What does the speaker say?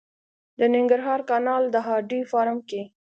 د ننګرهار کانال د هډې فارم کې